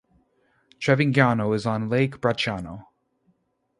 Trevignano is on Lake Bracciano.